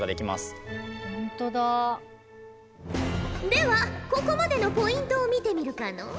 ではここまでのポイントを見てみるかのう。